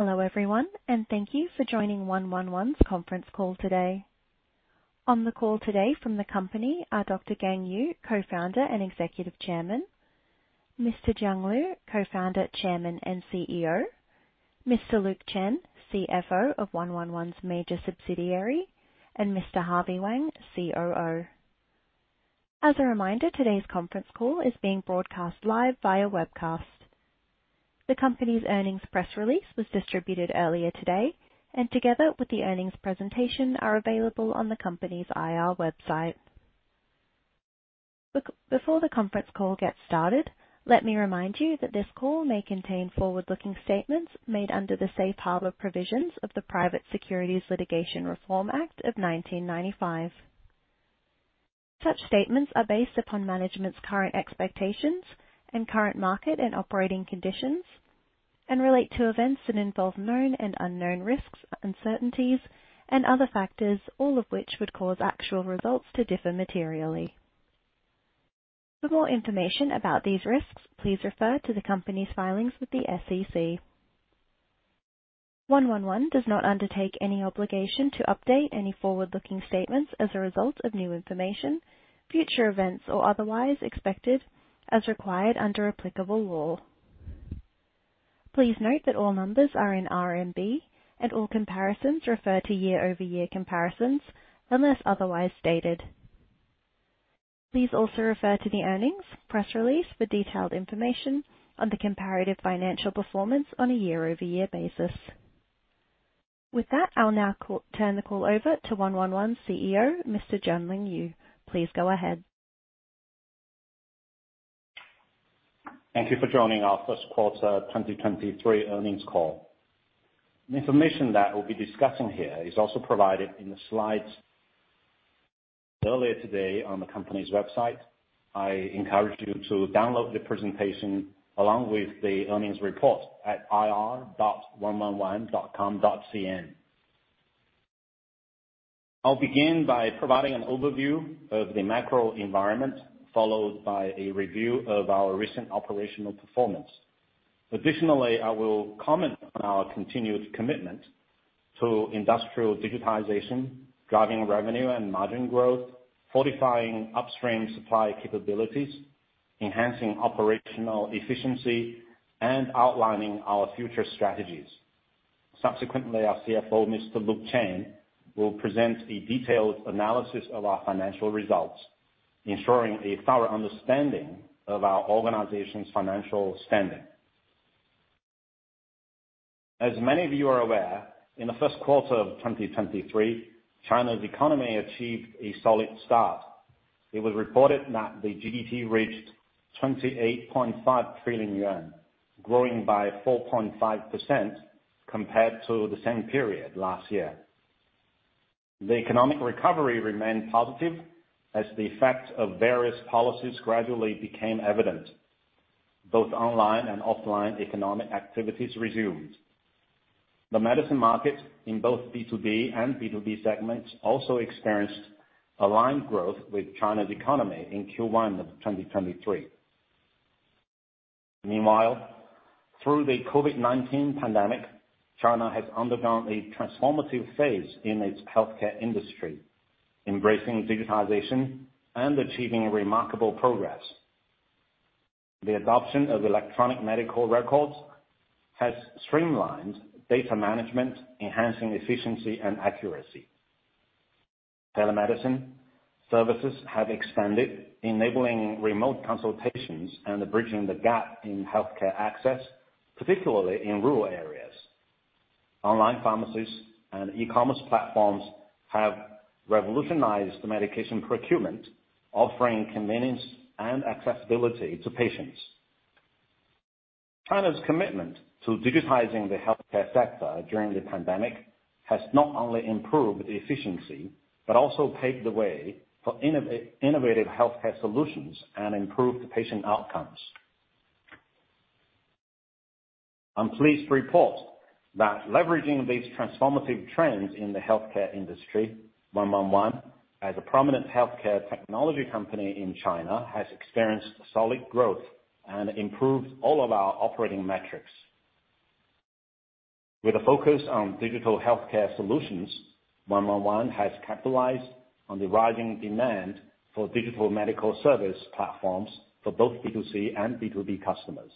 Hello, everyone, thank you for joining 111's conference call today. On the call today from the company are Dr. Gang Yu, Co-founder and Executive Chairman; Mr. Junling Liu, Co-founder, Chairman, and CEO; Mr. Luke Chen, CFO of 111's major subsidiary; and Mr. Harvey Wang, COO. As a reminder, today's conference call is being broadcast live via webcast. The company's earnings press release was distributed earlier today, together with the earnings presentation, are available on the company's IR website. Before the conference call gets started, let me remind you that this call may contain forward-looking statements made under the safe harbor provisions of the Private Securities Litigation Reform Act of 1995. Such statements are based upon management's current expectations and current market and operating conditions, and relate to events that involve known and unknown risks, uncertainties and other factors, all of which would cause actual results to differ materially. For more information about these risks, please refer to the company's filings with the SEC. 111 does not undertake any obligation to update any forward-looking statements as a result of new information, future events, or otherwise expected as required under applicable law. Please note that all numbers are in RMB and all comparisons refer to year-over-year comparisons, unless otherwise stated. Please also refer to the earnings press release for detailed information on the comparative financial performance on a year-over-year basis. With that, I'll now turn the call over to 111's CEO, Mr. Junling Liu. Please go ahead. Thank you for joining our first quarter 2023 earnings call. The information that we'll be discussing here is also provided in the slides earlier today on the company's website. I encourage you to download the presentation along with the earnings report at ir.111.com.cn. I'll begin by providing an overview of the macro environment, followed by a review of our recent operational performance. Additionally, I will comment on our continued commitment to industrial digitization, driving revenue and margin growth, fortifying upstream supply capabilities, enhancing operational efficiency, and outlining our future strategies. Subsequently, our CFO, Mr. Luke Chen, will present a detailed analysis of our financial results, ensuring a thorough understanding of our organization's financial standing. As many of you are aware, in the first quarter of 2023, China's economy achieved a solid start. It was reported that the GDP reached 28.5 trillion yuan, growing by 4.5% compared to the same period last year. The economic recovery remained positive as the effect of various policies gradually became evident. Both online and offline economic activities resumed. The medicine market in both B2B and B2C segments also experienced aligned growth with China's economy in Q1 of 2023. Meanwhile, through the COVID-19 pandemic, China has undergone a transformative phase in its healthcare industry, embracing digitization and achieving remarkable progress. The adoption of electronic medical records has streamlined data management, enhancing efficiency and accuracy. Telemedicine services have expanded, enabling remote consultations and bridging the gap in healthcare access, particularly in rural areas. Online pharmacies and e-commerce platforms have revolutionized medication procurement, offering convenience and accessibility to patients. China's commitment to digitizing the healthcare sector during the pandemic has not only improved efficiency but also paved the way for innovative healthcare solutions and improved patient outcomes. I'm pleased to report that, leveraging these transformative trends in the healthcare industry, 111, as a prominent healthcare technology company in China, has experienced solid growth and improved all of our operating metrics. With a focus on digital healthcare solutions, 111. has capitalized on the rising demand for digital medical service platforms for both B2C and B2B customers.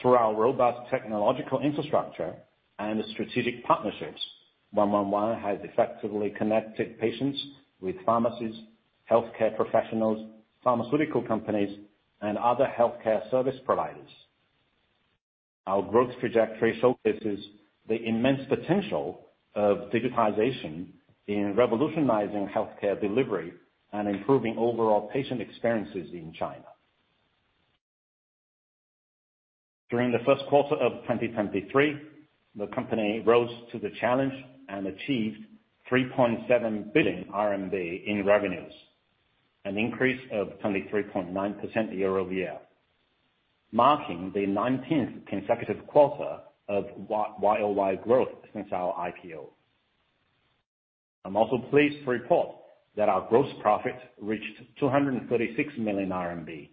Through our robust technological infrastructure and strategic partnerships, 111. has effectively connected patients with pharmacies, healthcare professionals, pharmaceutical companies, and other healthcare service providers. Our growth trajectory showcases the immense potential of digitization in revolutionizing healthcare delivery and improving overall patient experiences in China. During the first quarter of 2023, the company rose to the challenge and achieved 3.7 billion RMB in revenues, an increase of 23.9% year-over-year, marking the 19th consecutive quarter of YoY growth since our IPO. I'm also pleased to report that our gross profit reached 236 million RMB,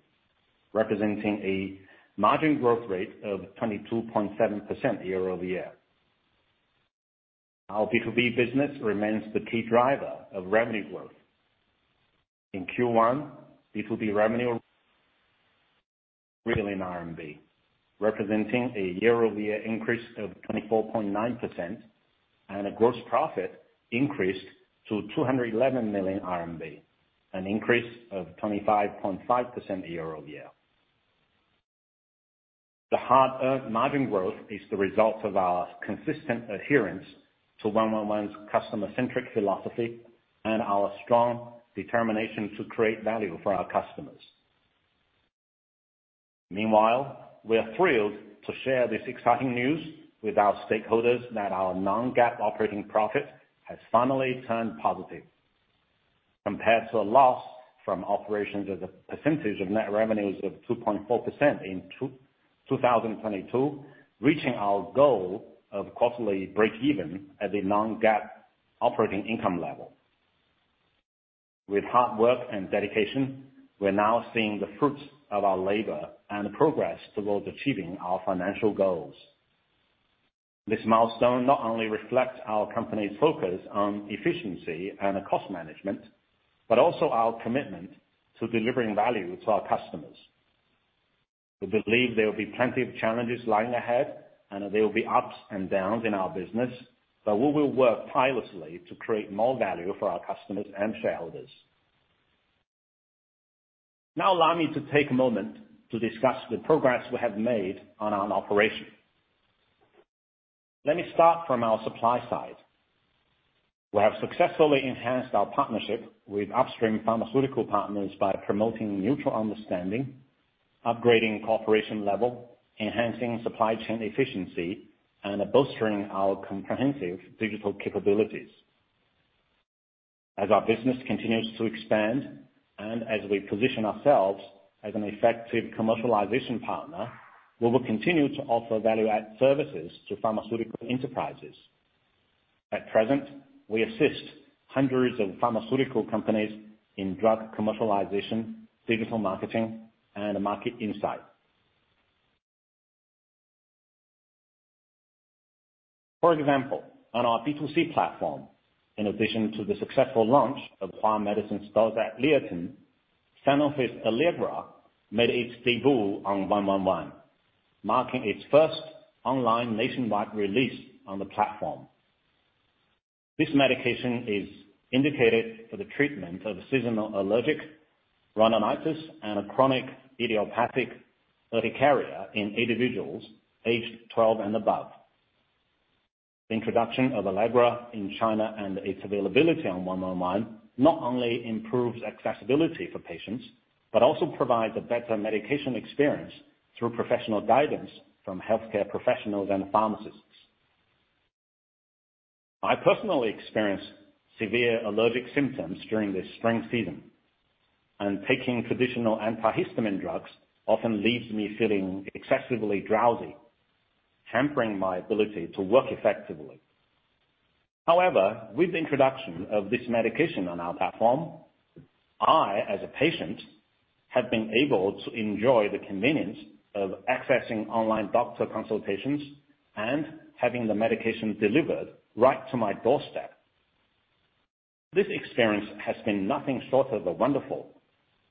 representing a margin growth rate of 22.7% year-over-year. Our B2B business remains the key driver of revenue growth. In Q1, B2B revenue in RMB represented a year-over-year increase of 24.9%, and gross profit increased to 211 million RMB, an increase of 25.5% year-over-year. The hard-earned margin growth is the result of our consistent adherence to 111's customer-centric philosophy and our strong determination to create value for our customers. Meanwhile, we are thrilled to share this exciting news with our stakeholders that our non-GAAP operating profit has finally turned positive. Compared to a loss from operations as a percentage of net revenues of 2.4% in 2022, reaching our goal of quarterly breakeven at the non-GAAP operating income level. With hard work and dedication, we're now seeing the fruits of our labor and the progress towards achieving our financial goals. This milestone not only reflects our company's focus on efficiency and cost management, but also our commitment to delivering value to our customers. We believe there will be plenty of challenges lying ahead, and there will be ups and downs in our business, but we will work tirelessly to create more value for our customers and shareholders. Now, allow me to take a moment to discuss the progress we have made on our operation. Let me start from our supply side. We have successfully enhanced our partnership with upstream pharmaceutical partners by promoting mutual understanding, upgrading cooperation level, enhancing supply chain efficiency, and bolstering our comprehensive digital capabilities. As our business continues to expand and as we position ourselves as an effective commercialization partner, we will continue to offer value-add services to pharmaceutical enterprises. At present, we assist hundreds of pharmaceutical companies in drug commercialization, digital marketing, and market insight. For example, on our B2C platform, in addition to the successful launch of 1 Medicine stores at Lioton, Sanofi's Allegra made its debut on 111, marking its first online nationwide release on the platform. This medication is indicated for the treatment of seasonal allergic rhinitis and a chronic idiopathic urticaria in individuals aged 12 and above. The introduction of Allegra in China and its availability on 111 not only improves accessibility for patients, but also provides a better medication experience through professional guidance from healthcare professionals and pharmacists. I personally experienced severe allergic symptoms during this spring season, and taking traditional antihistamine drugs often leaves me feeling excessively drowsy, hampering my ability to work effectively. However, with the introduction of this medication on our platform, I, as a patient, have been able to enjoy the convenience of accessing online doctor consultations and having the medication delivered right to my doorstep. This experience has been nothing short of wonderful,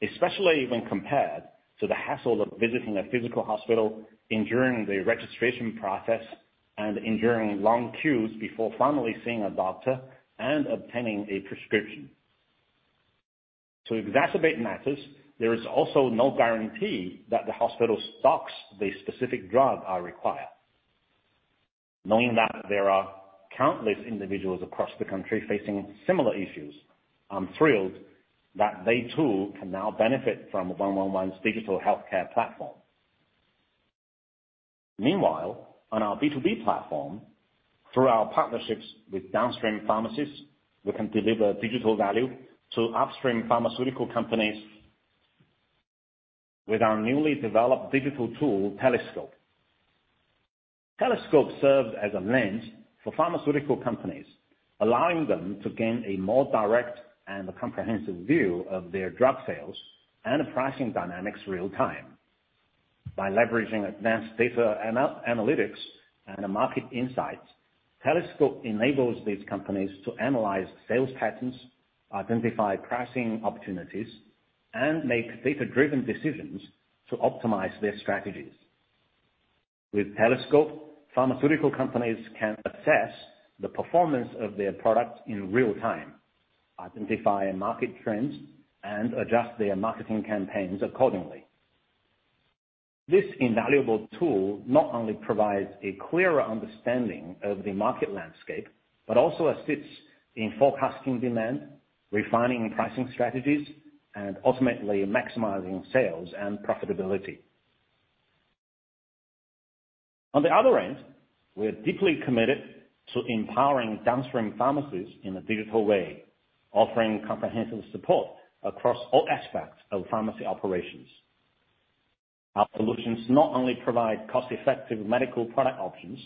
especially when compared to the hassle of visiting a physical hospital, enduring the registration process, and enduring long queues before finally seeing a doctor and obtaining a prescription. To exacerbate matters, there is also no guarantee that the hospital stocks the specific drug I require. Knowing that there are countless individuals across the country facing similar issues, I'm thrilled that they too, can now benefit from 111's digital healthcare platform. Meanwhile, on our B2B platform, through our partnerships with downstream pharmacies, we can deliver digital value to upstream pharmaceutical companies with our newly developed digital tool, Telescope. Telescope serves as a lens for pharmaceutical companies, allowing them to gain a more direct and comprehensive view of their drug sales and pricing dynamics real time. By leveraging advanced data analytics and market insights, Telescope enables these companies to analyze sales patterns, identify pricing opportunities, and make data-driven decisions to optimize their strategies. With Telescope, pharmaceutical companies can assess the performance of their product in real time, identify market trends, and adjust their marketing campaigns accordingly. This invaluable tool not only provides a clearer understanding of the market landscape but also assists in forecasting demand, refining pricing strategies, and ultimately maximizing sales and profitability. On the other end, we are deeply committed to empowering downstream pharmacies in a digital way, offering comprehensive support across all aspects of pharmacy operations. Our solutions not only provide cost-effective medical product options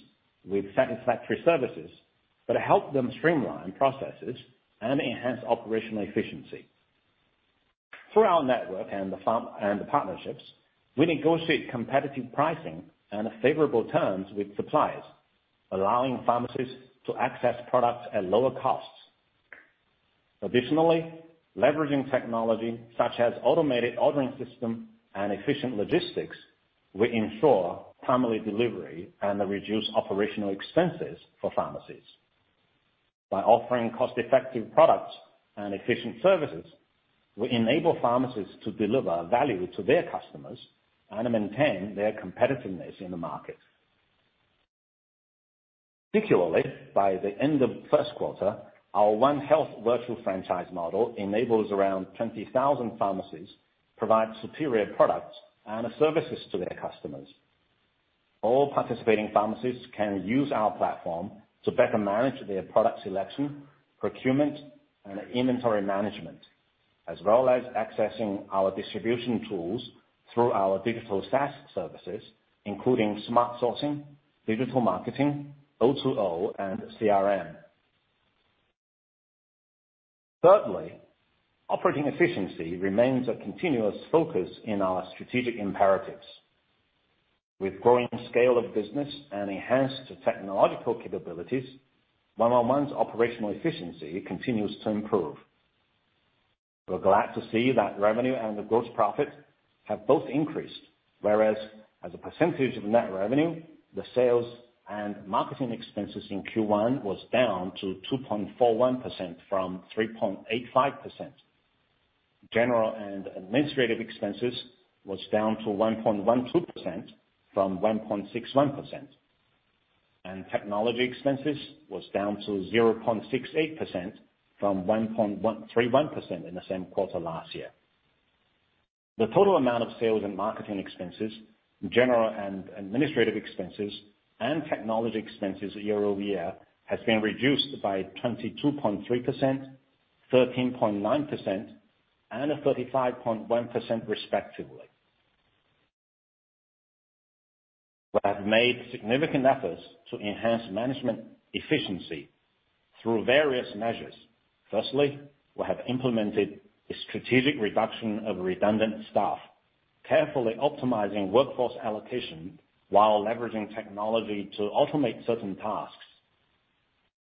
with satisfactory services, but help them streamline processes and enhance operational efficiency. Through our network and partnerships, we negotiate competitive pricing and favorable terms with suppliers, allowing pharmacies to access products at lower costs. Additionally, leveraging technology such as an automated ordering system and efficient logistics, we ensure timely delivery and reduce operational expenses for pharmacies. By offering cost-effective products and efficient services, we enable pharmacists to deliver value to their customers and maintain their competitiveness in the market. Particularly, by the end of the first quarter, our 1 Health virtual franchise model enables around 20,000 pharmacies provide superior products and services to their customers. All participating pharmacies can use our platform to better manage their product selection, procurement, and inventory management, as well as accessing our distribution tools through our digital SaaS services, including Smart Sourcing, digital marketing, O2O, and CRM. Thirdly, operating efficiency remains a continuous focus in our strategic imperatives. With growing scale of business and enhanced technological capabilities, 111's operational efficiency continues to improve. We're glad to see that revenue and gross profit have both increased, whereas as a percentage of net revenue, the sales and marketing expenses in Q1 was down to 2.41% from 3.85%. General and administrative expenses was down to 1.12% from 1.61%. Technology expenses was down to 0.68% from 1.31% in the same quarter last year. The total amount of sales and marketing expenses, general and administrative expenses, and technology expenses year-over-year has been reduced by 22.3%, 13.9%, and 35.1% respectively. We have made significant efforts to enhance management efficiency through various measures. Firstly, we have implemented a strategic reduction of redundant staff, carefully optimizing workforce allocation while leveraging technology to automate certain tasks.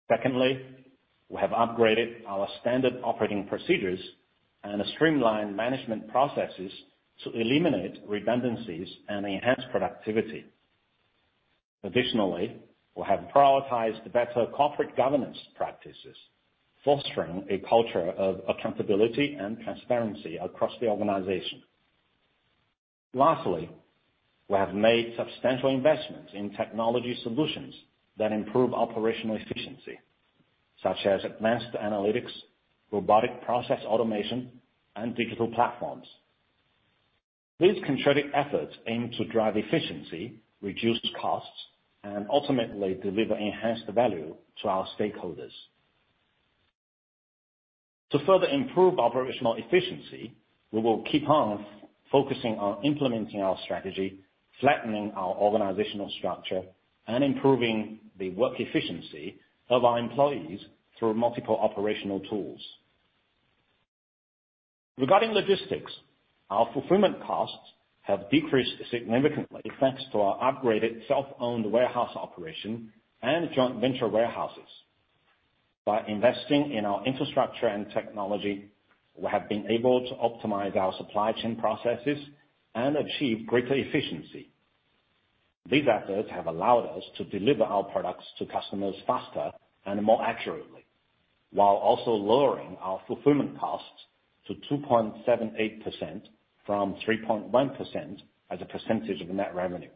Secondly, we have upgraded our standard operating procedures and streamlined management processes to eliminate redundancies and enhance productivity. We have prioritized better corporate governance practices, fostering a culture of accountability and transparency across the organization. Lastly, we have made substantial investments in technology solutions that improve operational efficiency, such as advanced analytics, robotic process automation, and digital platforms. These concentric efforts aim to drive efficiency, reduce costs, and ultimately deliver enhanced value to our stakeholders. To further improve operational efficiency, we will keep on focusing on implementing our strategy, flattening our organizational structure, and improving the work efficiency of our employees through multiple operational tools. Regarding logistics, our fulfillment costs have decreased significantly, thanks to our upgraded self-owned warehouse operation and joint venture warehouses. By investing in our infrastructure and technology, we have been able to optimize our supply chain processes and achieve greater efficiency. These efforts have allowed us to deliver our products to customers faster and more accurately, while also lowering our fulfillment costs to 2.78% from 3.1% as a percentage of net revenue.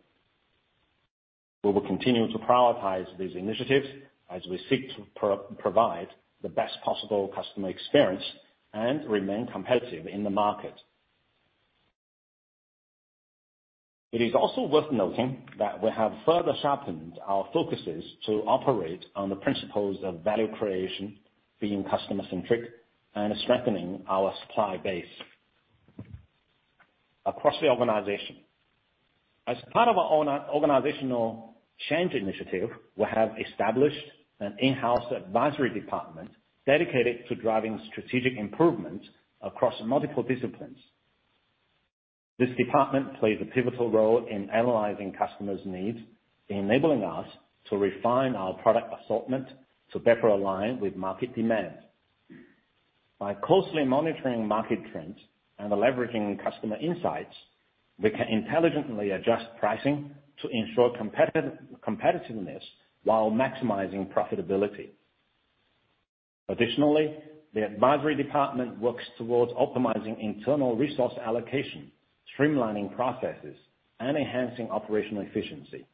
We will continue to prioritize these initiatives as we seek to provide the best possible customer experience and remain competitive in the market. It is also worth noting that we have further sharpened our focuses to operate on the principles of value creation, being customer-centric, and strengthening our supply base. Across the organization, as part of our own organizational change initiative, we have established an in-house advisory department dedicated to driving strategic improvement across multiple disciplines. This department plays a pivotal role in analyzing customers' needs, enabling us to refine our product assortment to better align with market demand. By closely monitoring market trends and leveraging customer insights, we can intelligently adjust pricing to ensure competitiveness while maximizing profitability. Additionally, the advisory department works towards optimizing internal resource allocation, streamlining processes, and enhancing operational efficiency.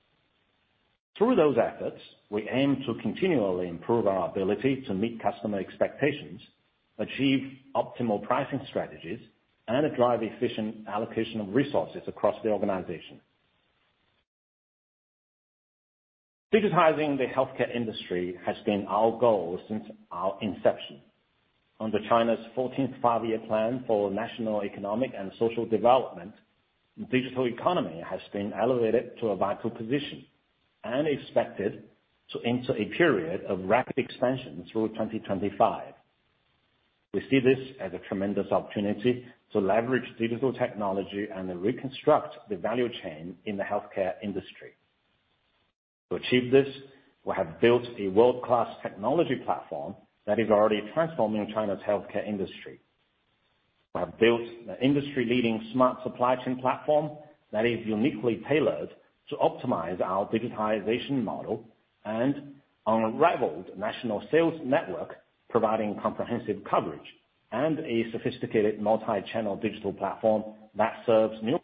Through those efforts, we aim to continually improve our ability to meet customer expectations, achieve optimal pricing strategies, and drive efficient allocation of resources across the organization. Digitizing the healthcare industry has been our goal since our inception. Under China's 14th Five-Year Plan for National Economic and Social Development, the digital economy has been elevated to a vital position and expected to enter a period of rapid expansion through 2025. We see this as a tremendous opportunity to leverage digital technology and reconstruct the value chain in the healthcare industry. To achieve this, we have built a world-class technology platform that is already transforming China's healthcare industry. We have built an industry-leading smart supply chain platform that is uniquely tailored to optimize our digitization model and unrivaled national sales network, providing comprehensive coverage and a sophisticated multi-channel digital platform that serves new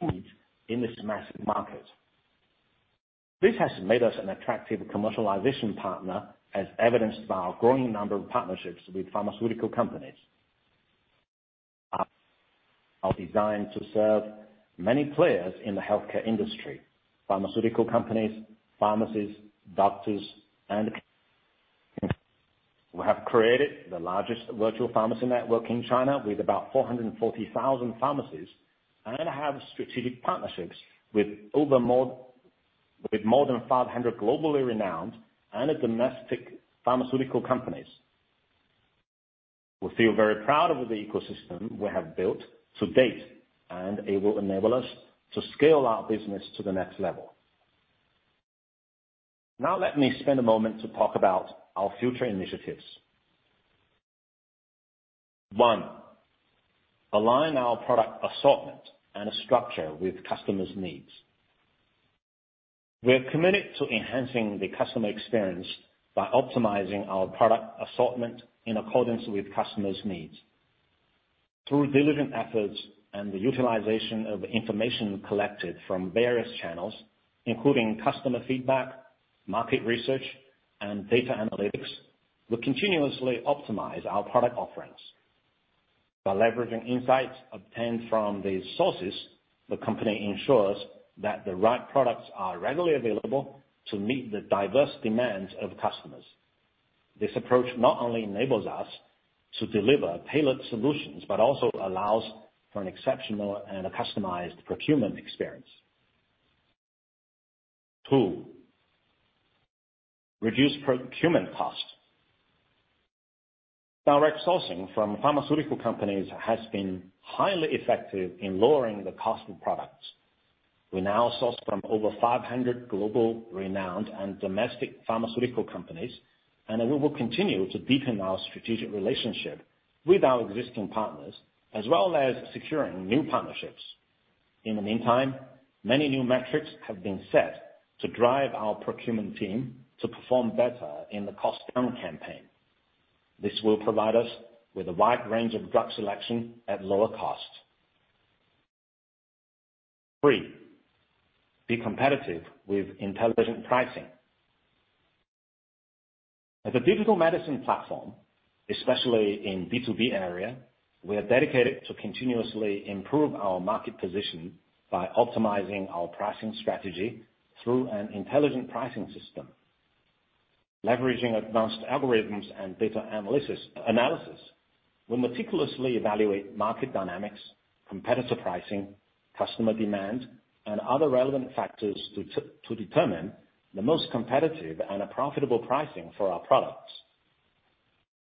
needs in this massive market. This has made us an attractive commercialization partner, as evidenced by our growing number of partnerships with pharmaceutical companies. Are designed to serve many players in the healthcare industry, pharmaceutical companies, pharmacies, doctors, We have created the largest virtual pharmacy network in China, with about 440,000 pharmacies, and have strategic partnerships with more than 500 globally renowned and domestic pharmaceutical companies. We feel very proud of the ecosystem we have built to date, it will enable us to scale our business to the next level. Let me spend a moment to talk about our future initiatives. One, align our product assortment and structure with customers' needs. We are committed to enhancing the customer experience by optimizing our product assortment in accordance with customers' needs. Through diligent efforts and the utilization of information collected from various channels, including customer feedback, market research, and data analytics, we continuously optimize our product offerings. By leveraging insights obtained from these sources, the company ensures that the right products are regularly available to meet the diverse demands of customers. This approach not only enables us to deliver tailored solutions, but also allows for an exceptional and a customized procurement experience. Two, reduce procurement costs. Direct sourcing from pharmaceutical companies has been highly effective in lowering the cost of products. We now source from over 500 global renowned and domestic pharmaceutical companies, and we will continue to deepen our strategic relationship with our existing partners, as well as securing new partnerships. In the meantime, many new metrics have been set to drive our procurement team to perform better in the cost-down campaign. This will provide us with a wide range of drug selection at lower costs. Three, be competitive with intelligent pricing. As a digital medicine platform, especially in B2B area, we are dedicated to continuously improving our market position by optimizing our pricing strategy through an intelligent pricing system. Leveraging advanced algorithms and data analysis, we meticulously evaluate market dynamics, competitor pricing, customer demand, and other relevant factors to determine the most competitive and profitable pricing for our products.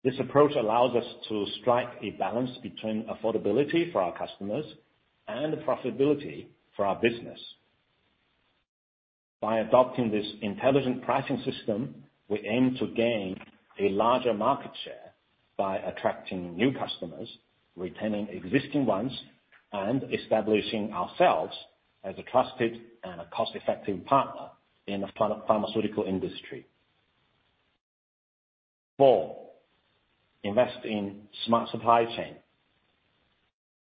This approach allows us to strike a balance between affordability for our customers and profitability for our business. By adopting this intelligent pricing system, we aim to gain a larger market share by attracting new customers, retaining existing ones, and establishing ourselves as a trusted and cost-effective partner in the pharmaceutical industry. Four, invest in a smart supply chain.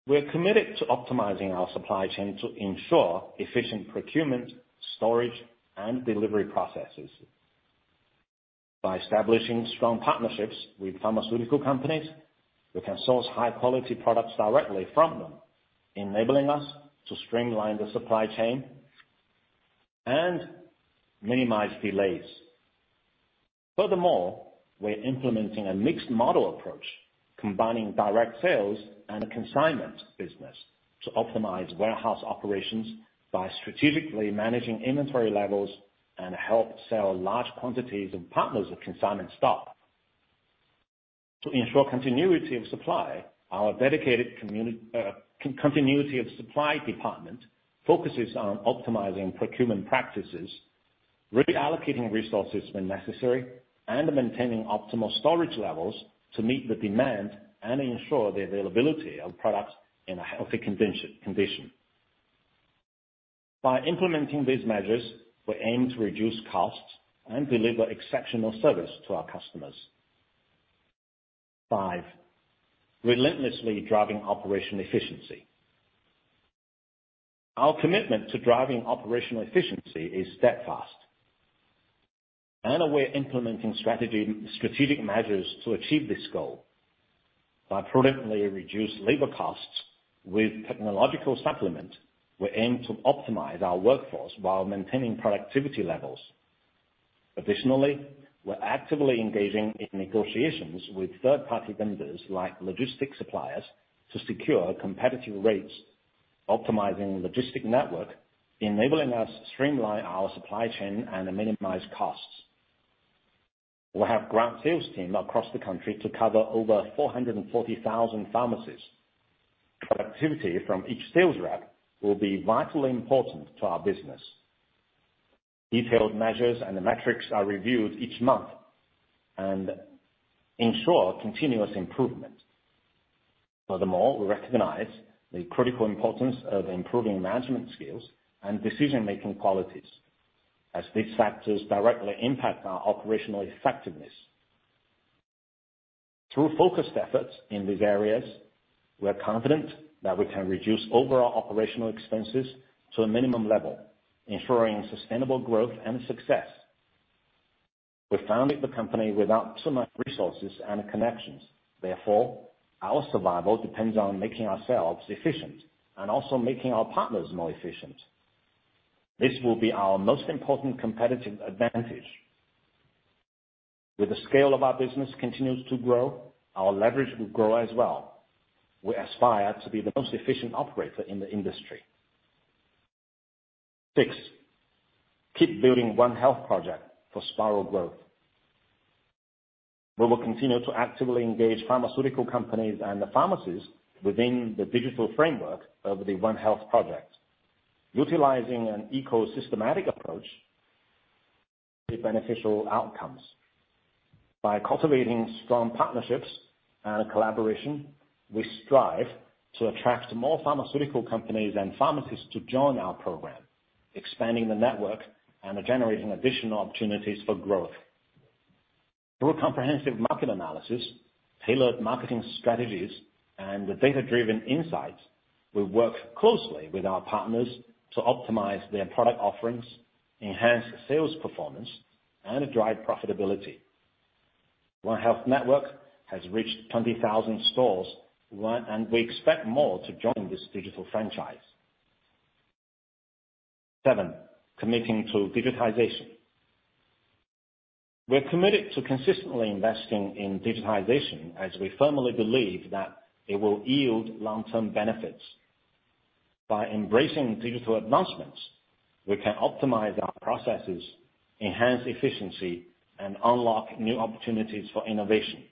We're committed to optimizing our supply chain to ensure efficient procurement, storage, and delivery processes. By establishing strong partnerships with pharmaceutical companies, we can source high-quality products directly from them, enabling us to streamline the supply chain and minimize delays. Furthermore, we're implementing a mixed-model approach, combining direct sales and consignment business to optimize warehouse operations by strategically managing inventory levels and help sell large quantities of partners with consignment stock. To ensure continuity of supply, our dedicated continuity of supply department focuses on optimizing procurement practices, reallocating resources when necessary, and maintaining optimal storage levels to meet the demand and ensure the availability of products in a healthy condition. By implementing these measures, we aim to reduce costs and deliver exceptional service to our customers. Five. Relentlessly driving operational efficiency. Our commitment to driving operational efficiency is steadfast, and we're implementing strategic measures to achieve this goal. By prudently reducing labor costs with technological supplements, we aim to optimize our workforce while maintaining productivity levels. Additionally, we're actively engaging in negotiations with third-party vendors, like logistics suppliers, to secure competitive rates, optimizing logistic network, enabling us to streamline our supply chain and minimize costs. We have a ground sales team across the country to cover over 440,000 pharmacies. Productivity from each sales rep will be vitally important to our business. Detailed measures and the metrics are reviewed each month, and ensure continuous improvement. Furthermore, we recognize the critical importance of improving management skills and decision-making qualities, as these factors directly impact our operational effectiveness. Through focused efforts in these areas, we are confident that we can reduce overall operational expenses to a minimum level, ensuring sustainable growth and success. We founded the company without too much resources and connections; therefore, our survival depends on making ourselves efficient and also making our partners more efficient. This will be our most important competitive advantage. With the scale of our business continues to grow, our leverage will grow as well. We aspire to be the most efficient operator in the industry. Six, keep building 1 Health project for spiral growth. We will continue to actively engage pharmaceutical companies and the pharmacies within the digital framework of the 1 Health project, utilizing an ecosystematic approach to beneficial outcomes. By cultivating strong partnerships and collaboration, we strive to attract more pharmaceutical companies and pharmacists to join our program, expanding the network and generating additional opportunities for growth. Through comprehensive market analysis, tailored marketing strategies, and data-driven insights, we work closely with our partners to optimize their product offerings, enhance sales performance, and drive profitability. 1 Health network has reached 20,000 stores, and we expect more to join this digital franchise. 7, committing to digitization. We're committed to consistently investing in digitization, as we firmly believe that it will yield long-term benefits. By embracing digital advancements, we can optimize our processes, enhance efficiency, and unlock new opportunities for innovation.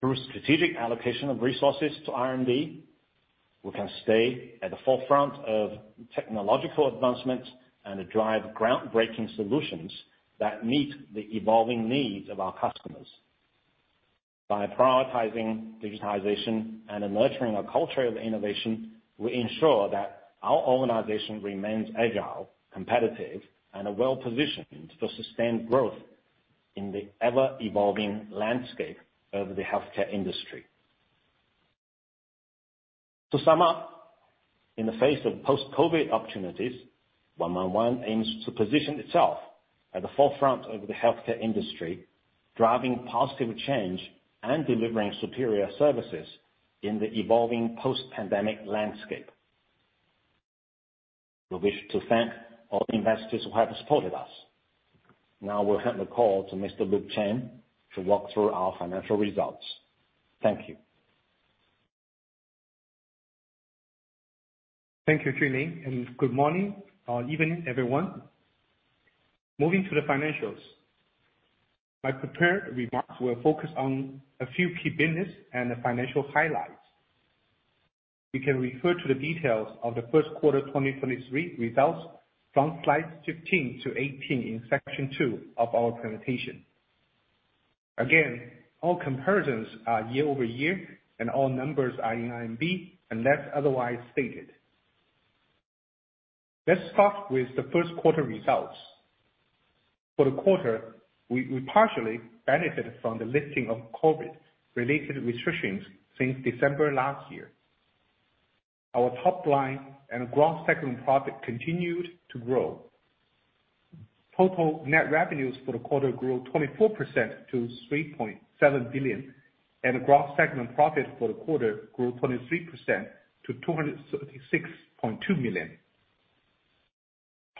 Through strategic allocation of resources to R&D, we can stay at the forefront of technological advancements and drive groundbreaking solutions that meet the evolving needs of our customers. By prioritizing digitization and nurturing a culture of innovation, we ensure that our organization remains agile, competitive, and well-positioned for sustained growth in the ever-evolving landscape of the healthcare industry. To sum up, in the face of post-COVID-19 opportunities, 111 aims to position itself at the forefront of the healthcare industry, driving positive change and delivering superior services in the evolving post-pandemic landscape. We wish to thank all the investors who have supported us. We'll hand the call to Mr. Luke Chen to walk through our financial results. Thank you. Thank you, Junling Liu. Good morning or evening, everyone. Moving to the financials. My prepared remarks will focus on a few key business and the financial highlights. You can refer to the details of the first quarter 2023 results from slides 15 to 18 in section two of our presentation. Again, all comparisons are year-over-year, and all numbers are in RMB, unless otherwise stated. Let's start with the first quarter results. For the quarter, we partially benefited from the lifting of COVID-related restrictions since December last year. Our top line and gross segment profit continued to grow. Total net revenues for the quarter grew 24% to 3.7 billion, and the gross segment profit for the quarter grew 23% to 236.2 million.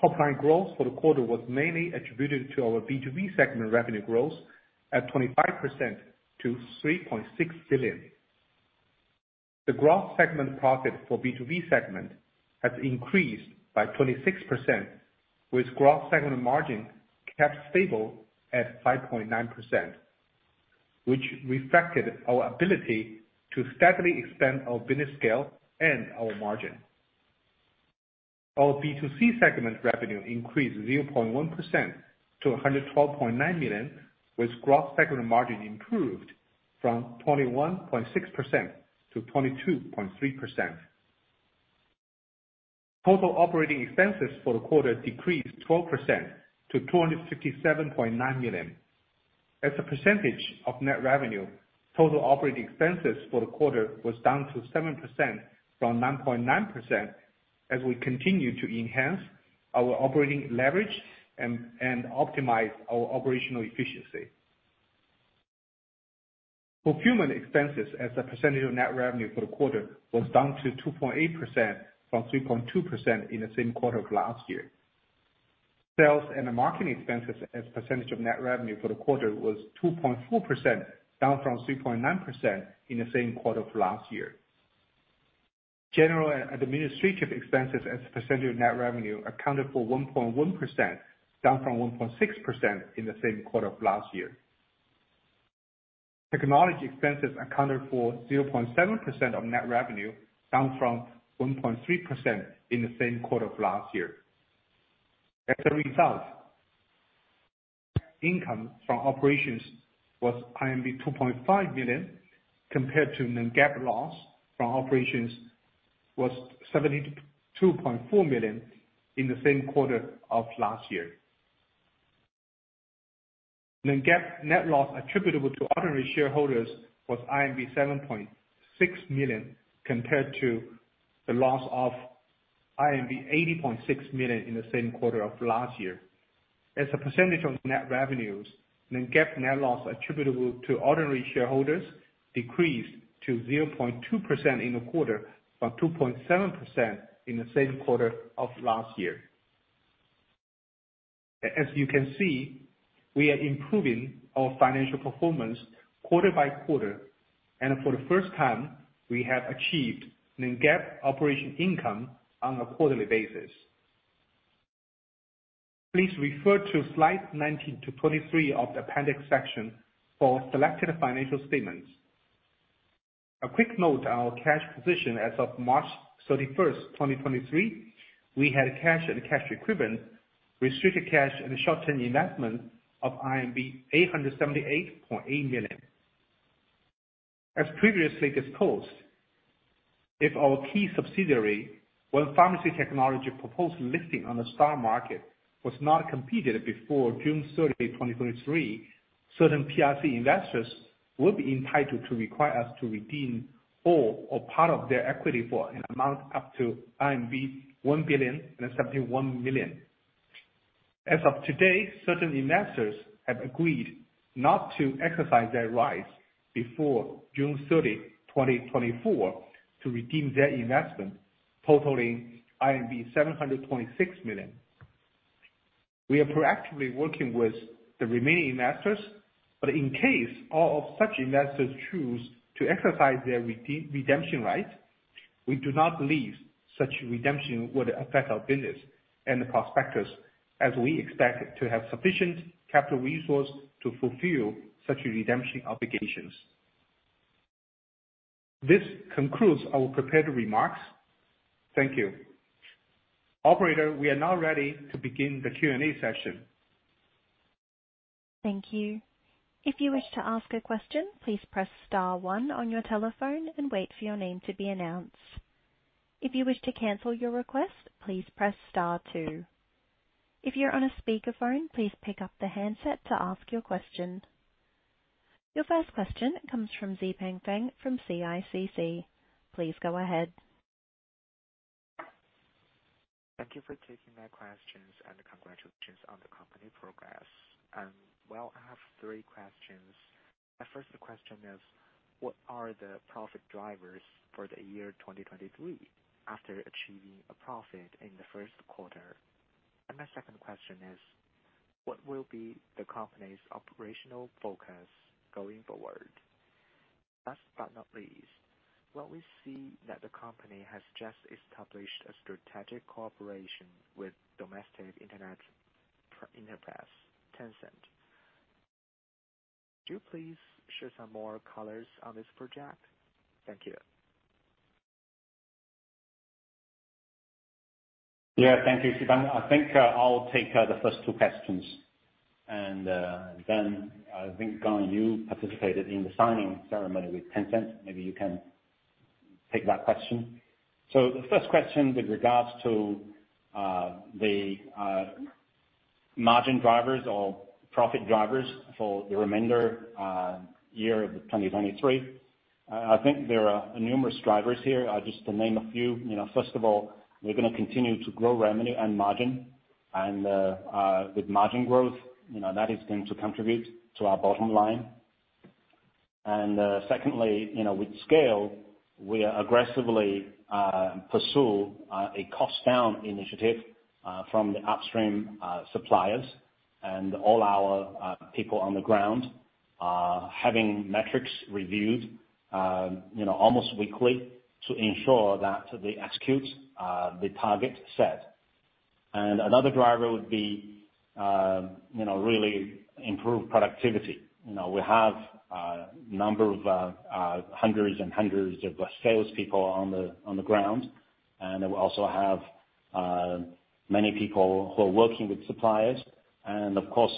Top line growth for the quarter was mainly attributed to our B2B segment revenue growth at 25% to 3.6 billion. The gross segment profit for B2B segment has increased by 26%, with gross segment margin kept stable at 5.9%, which reflected our ability to steadily expand our business scale and our margin. Our B2C segment revenue increased 0.1% to 112.9 million, with gross segment margin improved from 21.6% to 22.3%. Total operating expenses for the quarter decreased 12% to 267.9 million. As a percentage of net revenue, total operating expenses for the quarter was down to 7% from 9.9% as we continue to enhance our operating leverage and optimize our operational efficiency. Procurement expenses as a percentage of net revenue for the quarter was down to 2.8% from 3.2% in the same quarter of last year. Sales and the marketing expenses as a percentage of net revenue for the quarter was 2.4%, down from 3.9% in the same quarter of last year. General and administrative expenses as a percentage of net revenue accounted for 1.1%, down from 1.6% in the same quarter of last year. Technology expenses accounted for 0.7% of net revenue, down from 1.3% in the same quarter of last year. As a result, income from operations was 2.5 million, compared to a net GAAP loss from operations was 72.4 million in the same quarter of last year. Net GAAP net loss attributable to ordinary shareholders was 7.6 million, compared to the loss of 80.6 million in the same quarter of last year. As a percentage of net revenues, net GAAP net loss attributable to ordinary shareholders decreased to 0.2% in the quarter, from 2.7% in the same quarter of last year. As you can see, we are improving our financial performance quarter by quarter, and for the first time, we have achieved net GAAP operating income on a quarterly basis. Please refer to slides 19-23 of the appendix section for selected financial statements. A quick note on our cash position. As of March 31st, 2023, we had cash and cash equivalents, restricted cash and short-term investments of RMB 878.8 million. As previously disclosed, if our key subsidiary, 1 Pharmacy Yaofang Technology, proposed listing on the stock market was not completed before June 30, 2023, certain PRC investors would be entitled to require us to redeem all or part of their equity for an amount up to RMB 1,071 million. As of today, certain investors have agreed not to exercise their rights before June 30, 2024, to redeem their investment, totaling 726 million. We are proactively working with the remaining investors, but in case all of such investors choose to exercise their redemption right, we do not believe such redemption would affect our business and the prospectus, as we expect to have sufficient capital resources to fulfill such redemption obligations. This concludes our prepared remarks. Thank you. Operator, we are now ready to begin the Q&A session. Thank you. If you wish to ask a question, please press star one on your telephone and wait for your name to be announced. If you wish to cancel your request, please press star two. If you're on a speakerphone, please pick up the handset to ask your question. Your first question comes from Xipeng Feng from CICC. Please go ahead. Thank you for taking my questions, and congratulations on the company's progress. Well, I have three questions. My first question is: What are the profit drivers for the year 2023, after achieving a profit in the first quarter? My second question is: What will be the company's operational focus going forward? Last but not least, what we see that the company has just established a strategic cooperation with domestic internet-based Tencent. Could you please share some more colors on this project? Thank you. Thank you, Xipeng. I think I'll take the first two questions. Then I think, Gang Yu, you participated in the signing ceremony with Tencent. Maybe you can take that question. The first question with regards to the margin drivers or profit drivers for the remainder year of 2023, I think there are numerous drivers here, just to name a few. You know, first of all, we're gonna continue to grow revenue and margin, with margin growth, you know, that is going to contribute to our bottom line. Secondly, you know, with scale, we aggressively pursue a cost down initiative from the upstream suppliers and all our people on the ground, having metrics reviewed, you know, almost weekly to ensure that they execute the target set. Another driver would be, you know, really improve productivity. You know, we have a number of hundreds and hundreds of salespeople on the ground. We also have many people who are working with suppliers and of course,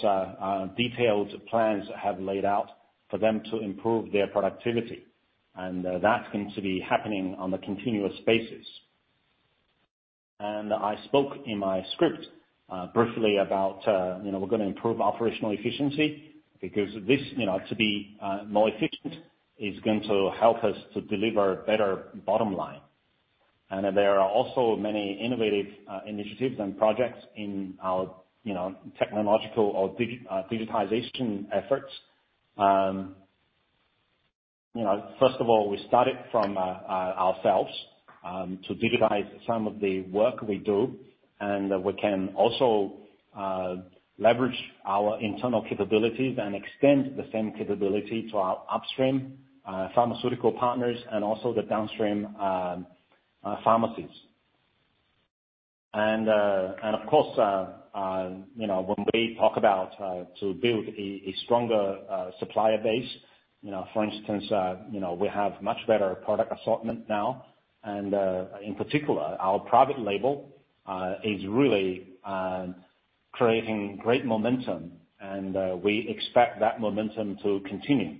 detailed plans have laid out for them to improve their productivity. That's going to be happening on a continuous basis. I spoke in my script briefly about, you know, we're gonna improve operational efficiency. You know, to be more efficient is going to help us to deliver better bottom line. There are also many innovative initiatives and projects in our, you know, technological or digitization efforts. You know, first of all, we started from ourselves to digitize some of the work we do, and we can also leverage our internal capabilities and extend the same capability to our upstream pharmaceutical partners and also the downstream pharmacies. Of course, you know, when we talk about to build a stronger supplier base, you know, for instance, you know, we have much better product assortment now, and in particular, our private label is really creating great momentum, and we expect that momentum to continue.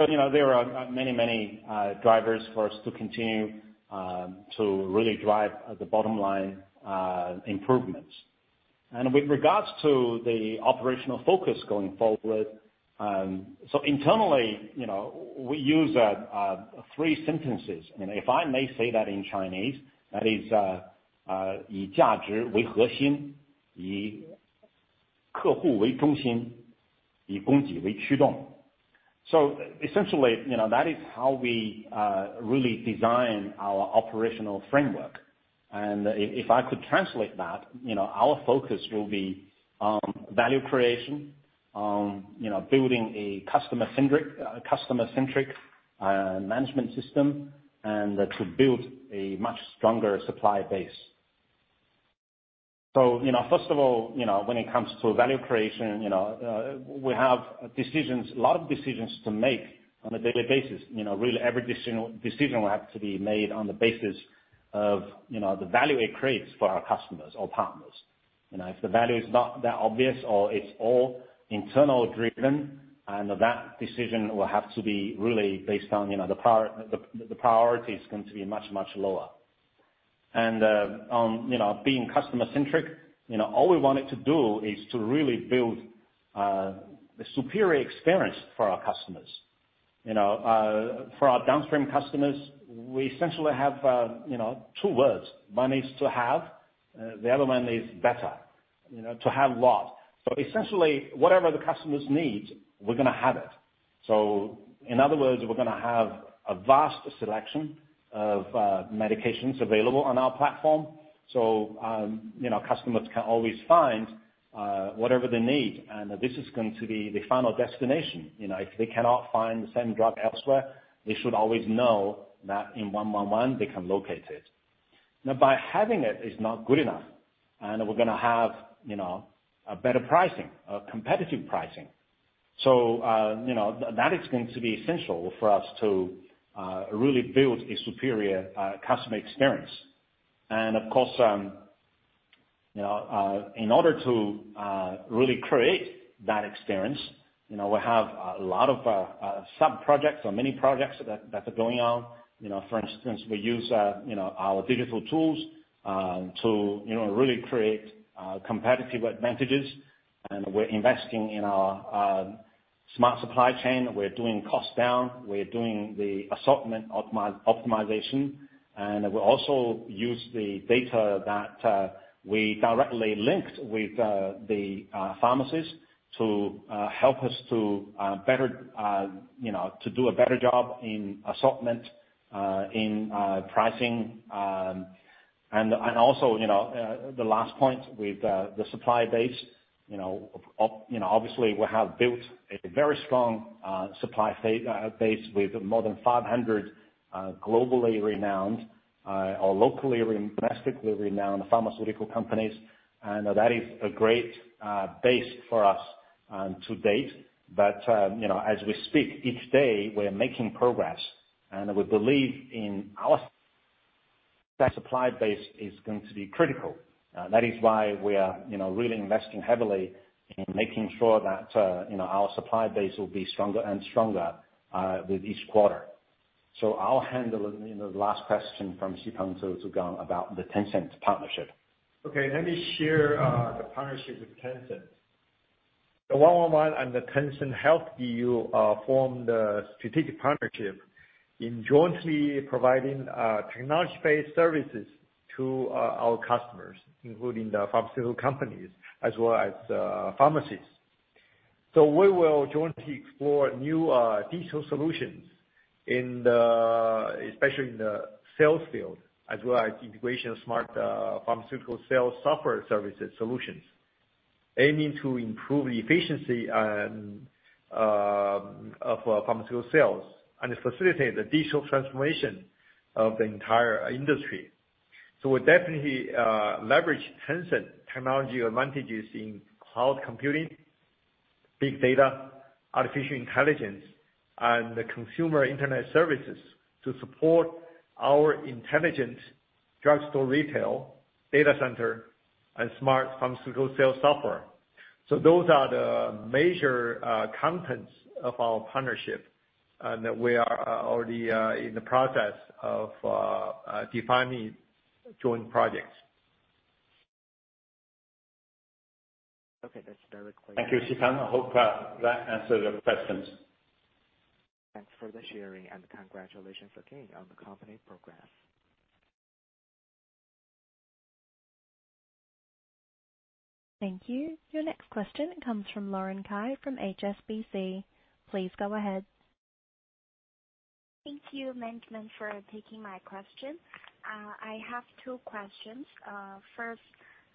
You know, there are many, many drivers for us to continue to really drive the bottom line improvements. With regards to the operational focus going forward, so internally, you know, we use three sentences, and if I may say that in Chinese, that is So essentially, you know, that is how we really design our operational framework. If I could translate that, you know, our focus will be value creation, you know, building a customer-centric management system and to build a much stronger supply base. You know, first of all, you know, when it comes to value creation, you know, we have decisions, a lot of decisions to make on a daily basis. You know, really every decision will have to be made on the basis of, you know, the value it creates for our customers or partners. You know, if the value is not that obvious or it's all internal driven, that decision will have to be really based on, you know, the priority is going to be much, much lower. On, you know, being customer-centric, you know, all we wanted to do is to really build a superior experience for our customers. You know, for our downstream customers, we essentially have, you know, two words: one is to have, the other one is better, you know, to have lot. Essentially, whatever the customers need, we're gonna have it. In other words, we're gonna have a vast selection of medications available on our platform. You know, customers can always find whatever they need, and this is going to be the final destination. You know, if they cannot find the same drug elsewhere, they should always know that in 111, they can locate it. Now, by having it is not good enough, and we're gonna have, you know, a better pricing, a competitive pricing. You know, that is going to be essential for us to really build a superior customer experience. Of course, you know, in order to really create that experience, you know, we have a lot of sub-projects or mini projects that are going on. You know, for instance, we use, you know, our digital tools, to, you know, really create competitive advantages. We're investing in our smart supply chain. We're doing cost down, we're doing the assortment optimization, and we're also use the data that we directly linked with the pharmacist to help us to better, you know, to do a better job in assortment, in pricing. Also, you know, the last point with the supply base, you know, obviously we have built a very strong supply base with more than 500 globally renowned or locally, domestically renowned pharmaceutical companies, and that is a great base for us to date. You know, as we speak, each day we're making progress, and we believe in our that supply base is going to be critical. That is why we are, you know, really investing heavily in making sure that, you know, our supply base will be stronger and stronger with each quarter. I'll handle, you know, the last question from Xipeng Feng to go about the Tencent partnership. Let me share the partnership with Tencent. 111 and Tencent Health formed a strategic partnership in jointly providing technology-based services to our customers, including the pharmaceutical companies as well as pharmacies. We will jointly explore new digital solutions in the, especially in the sales field, as well as integration of smart pharmaceutical sales software services solutions, aiming to improve the efficiency and of pharmaceutical sales and facilitate the digital transformation of the entire industry. We're definitely leverage Tencent technology advantages in cloud computing, big data, artificial intelligence, and the consumer internet services to support our intelligent drugstore retail data center and smart pharmaceutical sales software. Those are the major contents of our partnership, and we are already in the process of defining joint projects. Okay, that's very clear. Thank you, Xipeng Feng. I hope that answered your questions. Thanks for the sharing, and congratulations again on the company progress. Thank you. Your next question comes from Lauren Cai from HSBC. Please go ahead. Thank you, management, for taking my question. I have two questions. First,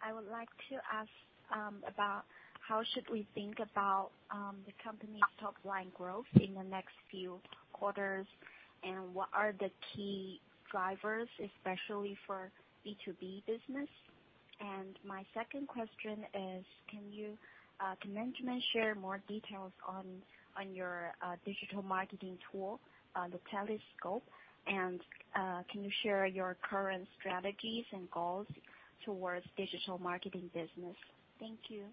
I would like to ask about how should we think about the company's top-line growth in the next few quarters, and what are the key drivers, especially for B2B business? My second question is, can you, can management share more details on your digital marketing tool, the Telescope? Can you share your current strategies and goals towards digital marketing business? Thank you.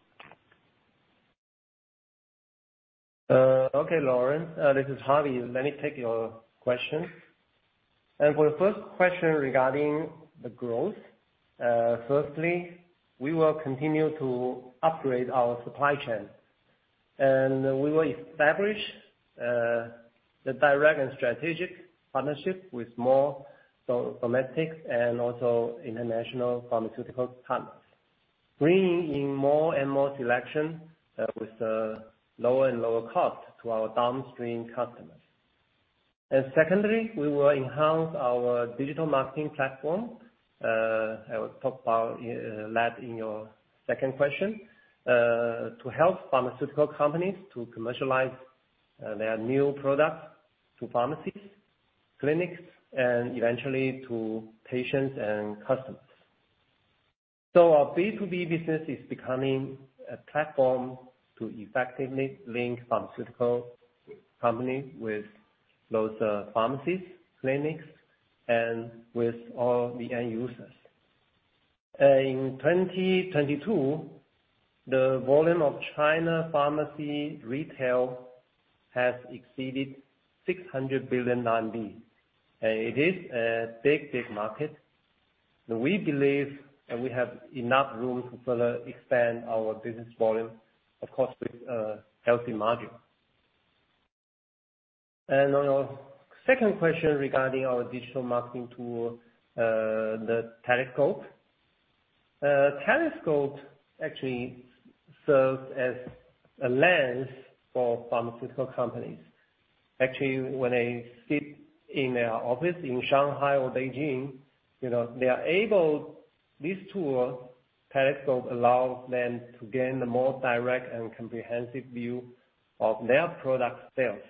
Okay, Lauren, this is Harvey. Let me take your question. For the first question regarding the growth, firstly, we will continue to upgrade our supply chain, and we will establish the direct and strategic partnership with more domestics and also international pharmaceutical partners, bringing in more and more selection with lower and lower cost to our downstream customers. Secondly, we will enhance our digital marketing platform, I will talk about that in your second question, to help pharmaceutical companies to commercialize their new products to pharmacies, clinics, and eventually to patients and customers. Our B2B business is becoming a platform to effectively link pharmaceutical companies with those pharmacies, clinics, and with all the end users. In 2022, the volume of China's pharmacy retail exceeded 600 billion RMB, it is a big market. We believe that we have enough room to further expand our business volume, of course, with ahealthy margin. On your second question regarding our digital marketing tool, the Telescope. A telescope actually serves as a lens for pharmaceutical companies. Actually, when they sit in their office in Shanghai or Beijing, you know, this tool, Telescope, allows them to gain a more direct and comprehensive view of their product sales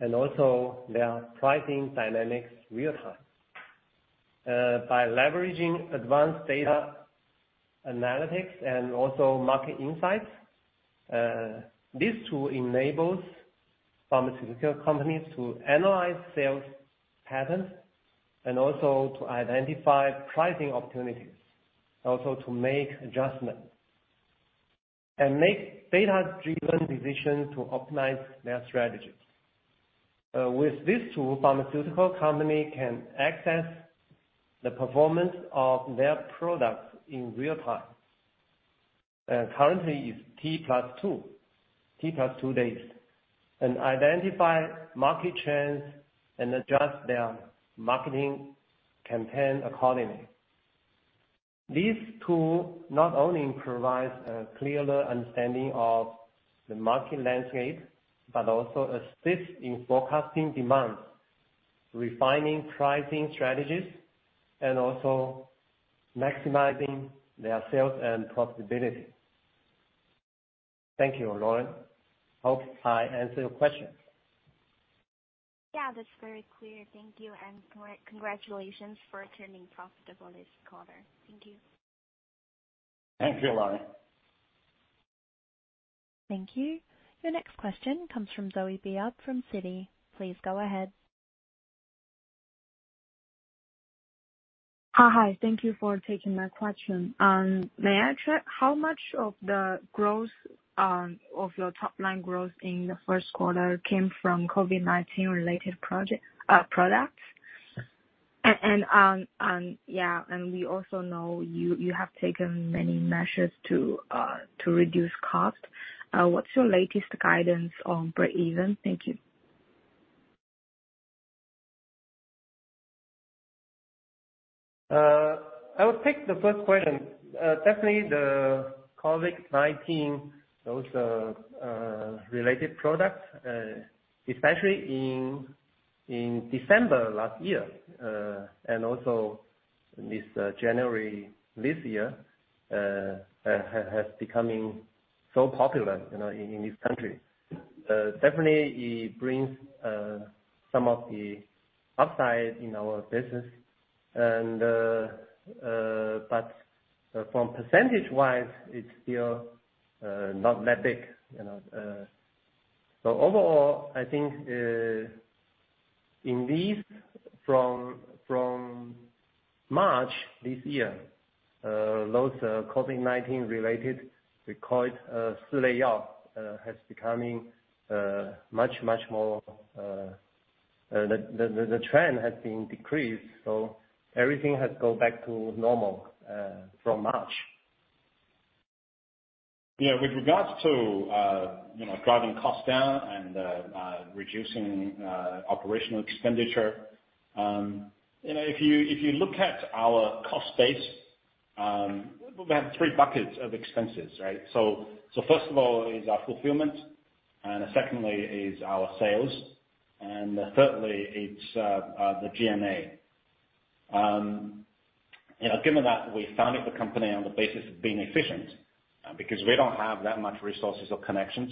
and also their pricing dynamics in real time. By leveraging advanced data analytics and also market insights, this tool enables pharmaceutical companies to analyze sales patterns, and also to identify pricing opportunities, and make adjustments and make data-driven decisions to optimize their strategies. With this tool, pharmaceutical companies can access the performance of their products in real time. Currently, it's T+2 days, and identify market trends and adjust their marketing campaign accordingly. This tool not only provides a clearer understanding of the market landscape, but also assists in forecasting demand, refining pricing strategies, and maximizing their sales and profitability. Thank you, Lauren. Hope I answered your question. Yeah, that's very clear. Thank you, congratulations for turning profitable this quarter. Thank you. Thank you, Lauren. Thank you. Your next question comes from Zoe Bian from Citi. Please go ahead. Hi. Thank you for taking my question. May I check how much of the growth of your top-line growth in the first quarter came from COVID-19 related project, products? Yeah, and we also know you have taken many measures to reduce cost. What's your latest guidance on breakeven? Thank you. I will take the first question. Definitely the COVID-19, those related products, especially in December last year, and also this January this year, has becoming so popular, you know, in this country. Definitely it brings some of the upside in our business and, from percentage-wise, it's still not that big, you know? Overall, I think, in this, from March this year, those COVID-19 related, we call it Sileao, has becoming much, much more.... the trend has been decreased, so everything has gone back to normal, from March. Yeah, with regards to, you know, driving costs down and reducing OpEx, you know, if you look at our cost base, we've had three buckets of expenses, right? First of all is our fulfillment, secondly is our sales, and thirdly, it's the G&A. You know, given that we founded the company on the basis of being efficient, because we don't have that much resources or connections,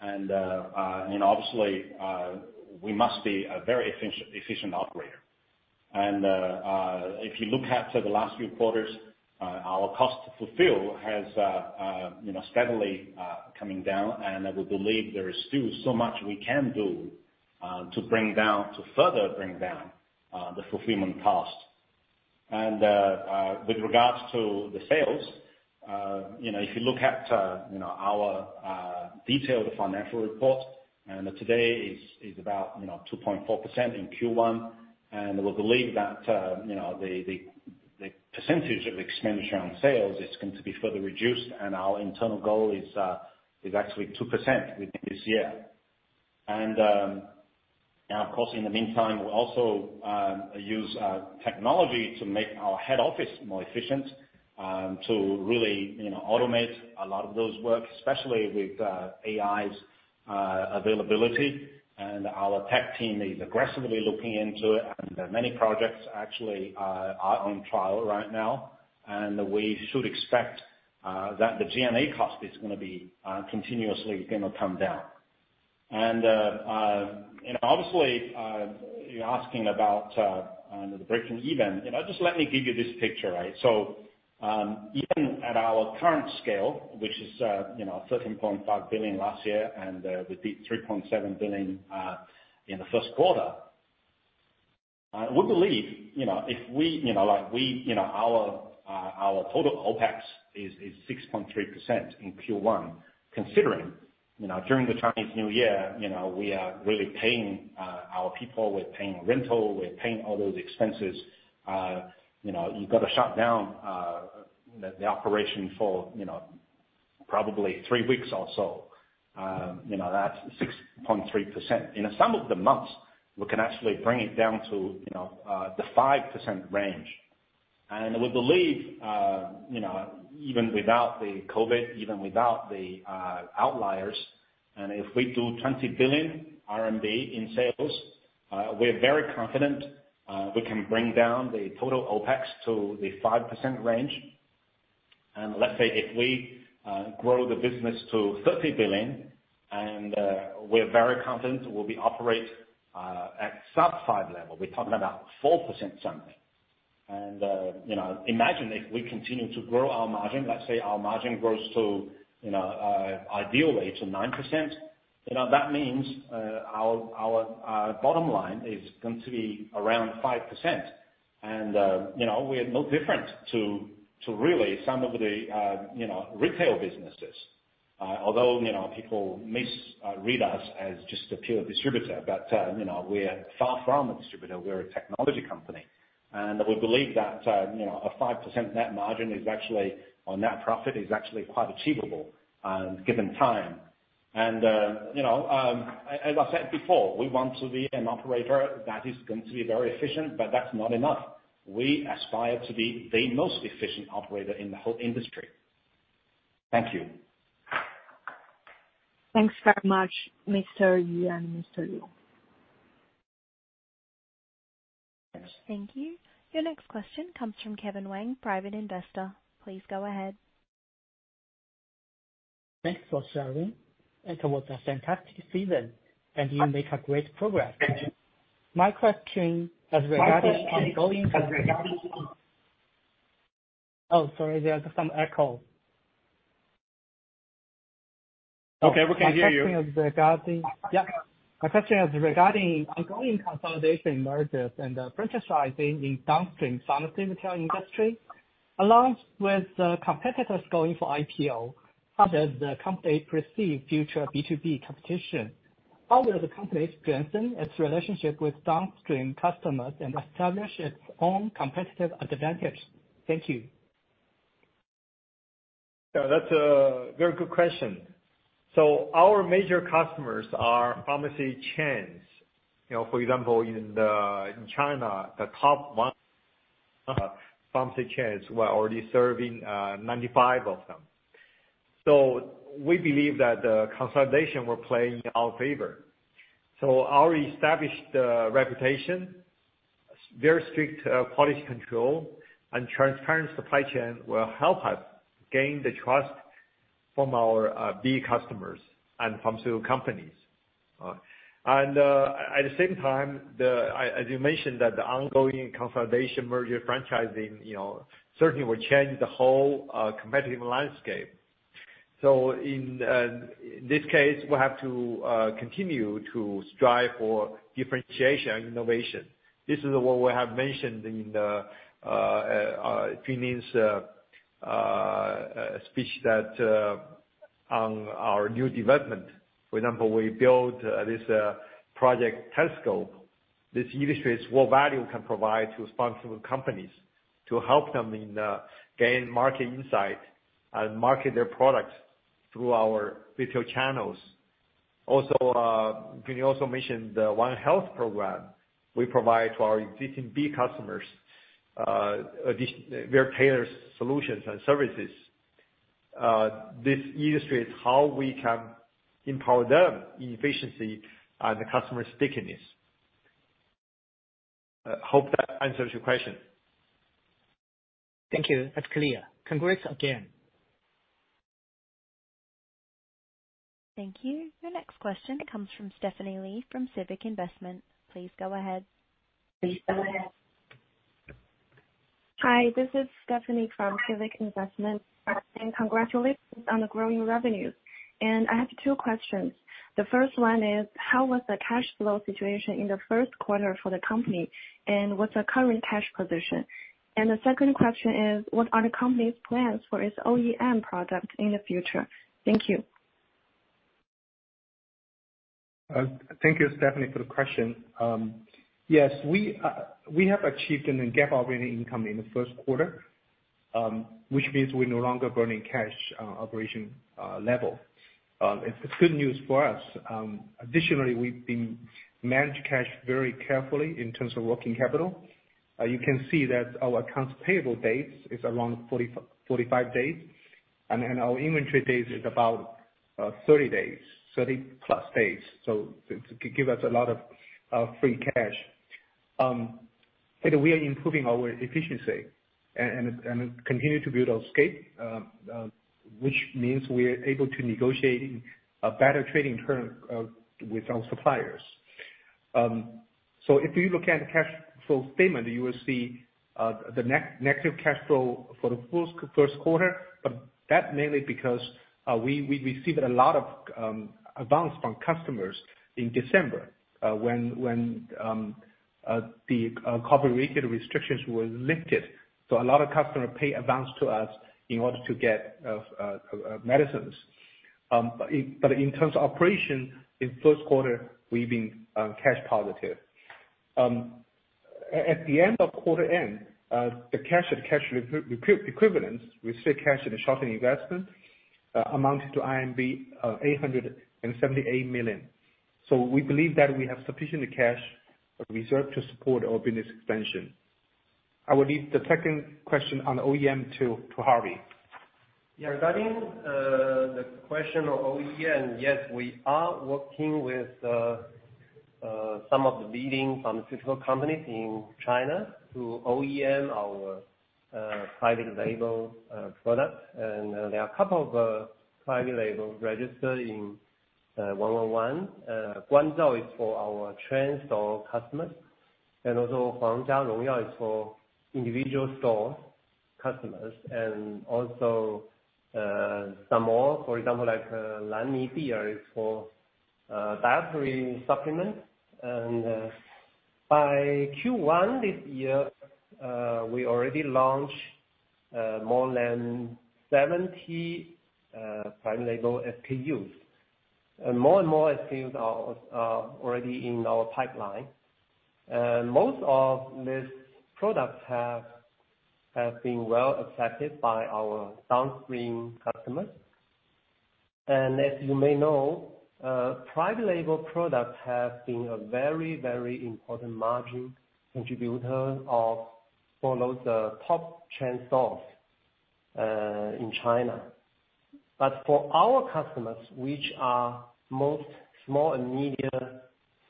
and obviously, we must be a very efficient operator. If you look at the last few quarters, our cost to fulfill has, you know, steadily coming down, and we believe there is still so much we can do to further bring down the fulfillment cost. With regards to the sales, you know, if you look at, you know, our detailed financial report, today is about, you know, 2.4% in Q1. We believe that, you know, the percentage of expenditure on sales is going to be further reduced, and our internal goal is actually 2% within this year. Of course, in the meantime, we'll also use technology to make our head office more efficient, to really, you know, automate a lot of those work, especially with AI's availability. Our tech team is aggressively looking into it, and many projects actually are on trial right now. We should expect that the G&A cost is gonna be continuously gonna come down. Obviously, you're asking about under the breaking even, you know, just let me give you this picture, right? Even at our current scale, which is, you know, 13.5 billion last year, and we did 3.7 billion in the first quarter. We believe, you know, if we, you know, like we, you know, our total OpEx is 6.3% in Q1, considering, you know, during the Chinese New Year, you know, we are really paying our people, we're paying rental, we're paying all those expenses. You know, you've got to shut down the operation for, you know, probably three weeks or so. You know, that's 6.3%. In some of the months, we can actually bring it down to, you know, the 5% range. We believe, you know, even without the COVID-19, even without the outliers, if we do 20 billion RMB in sales, we're very confident we can bring down the total OpEx to the 5% range. Let's say if we grow the business to 30 billion, we're very confident we'll be operate at sub-5 level. We're talking about 4% something. You know, imagine if we continue to grow our margin, let's say our margin grows to, you know, ideally to 9%, you know, that means our bottom line is going to be around 5%. You know, we're no different to really some of the, you know, retail businesses, although, you know, people misread us as just a pure distributor. You know, we're far from a distributor. We're a technology company, and we believe that, you know, a 5% net margin is actually, or net profit, is actually quite achievable, given time. You know, as I said before, we want to be an operator that is going to be very efficient, but that's not enough. We aspire to be the most efficient operator in the whole industry. Thank you. Thanks very much, Mr. Wang and Mr. Liu. Thank you. Your next question comes from Kevin Wang, private investor. Please go ahead. Thanks for sharing. It was a fantastic season, and you make a great progress. My question is regarding. Oh, sorry, there's some echo. Okay, we can hear you. My question is regarding ongoing consolidation, mergers, and franchising in downstream pharmaceutical industry, along with competitors going for IPO, how does the company perceive future B2B competition? How will the company strengthen its relationship with downstream customers and establish its own competitive advantage? Thank you. Yeah, that's a very good question. Our major customers are pharmacy chains. You know, for example, in China, the top 1 Pharmacy chains, we're already serving 95 of them. We believe that the consolidation will play in our favor. Our established reputation, very strict quality control, and transparent supply chain will help us gain the trust of our B customers and pharmaceutical companies. At the same time, as you mentioned, the ongoing consolidation, merger, franchising, you know, certainly will change the whole competitive landscape. In this case, we'll have to continue to strive for differentiation and innovation. This is what we have mentioned in Junling Liu's speech. On our new development. For example, we built this project, Telescope. This illustrates what value can provide to responsible companies to help them gain market insight and market their products through our retail channels. Can you also mention the 1 Health program we provide to our existing B customers, well as tailored solutions and services. This illustrates how we can empower them in efficiency and customer stickiness. Hope that answers your question. Thank you. That's clear. Congrats again. Thank you. Your next question comes from Stephanie Will, from Civic Investment. Please go ahead. Please go ahead. Hi, this is Stephanie from Civic Investment, and congratulations on the growing revenues. I have two questions. The first one is: How was the cash flow situation in the first quarter for the company, and what's the current cash position? The second question is: What are the company's plans for its OEM product in the future? Thank you. Thank you, Stephanie, for the question. Yes, we have achieved a GAAP operating income in the first quarter, which means we're no longer burning cash on operation level. It's good news for us. Additionally, we've been manage cash very carefully in terms of working capital. You can see that our accounts payable dates is around 45 days, our inventory days is about 30-plus days, it give us a lot of free cash. We are improving our efficiency and continue to build our scale, which means we're able to negotiate a better trading term with our suppliers. If you look at the cash flow statement, you will see negative cash flow for the first quarter, but that's mainly because we received a lot of advance from customers in December when the COVID-related restrictions were lifted. A lot of customers pay advance to us in order to get medicines. In terms of operation, in first quarter, we've been cash positive. At the end of quarter end, the cash and cash equivalence, restricted cash, and short-term investments amounted to 878 million. We believe that we have sufficient cash reserve to support our business expansion. I will leave the second question on the OEM to Harvey. Regarding the question on OEM, yes, we are working with some of the leading pharmaceutical companies in China to OEM our private label product. There are a couple of private label registered in one on one. Guangzhou is for our chain store customers, and also Huangjia Longyao is for individual store customers. Also, some more, for example, like Lanimed is for dietary supplements. By Q1 this year, we already launched more than 70 private label SKUs. More and more SKUs are already in our pipeline. Most of these products have been well accepted by our downstream customers. As you may know, private label products have been a very important margin contributor for those top chain stores in China. For our customers, which are most small and medium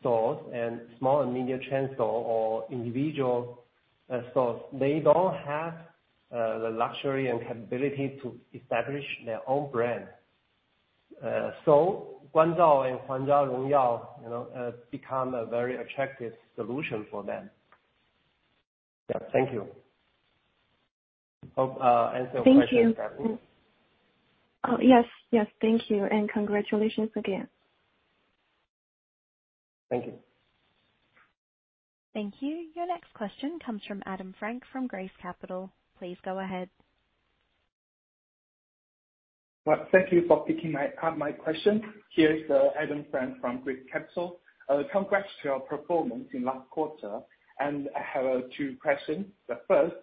stores, and small and medium chain store or individual stores, they don't have the luxury and capability to establish their own brand. Guanzhou and Huangjia Longyao, you know, become a very attractive solution for them. Yeah. Thank you. Hope answer your question, Stephanie. Thank you. yes, thank you, congratulations again. Thank you. Thank you. Your next question comes from Adam Frank from Grace Capital. Please go ahead. Thank you for picking my question. Here is Adam Frank from Grace Capital. Congrats on your performance in the last quarter. I have two questions. The first: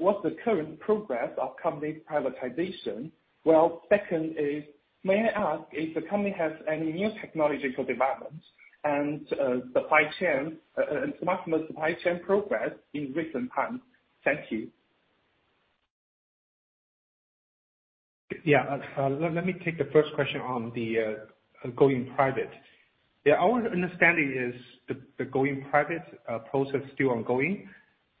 What's the current progress of the company's privatization? Well, second is: May I ask if the company has any new technological developments, and the smart supply chain progress in recent times? Thank you. Yeah, let me take the first question on the going private. Yeah, our understanding is that the going private process is still ongoing.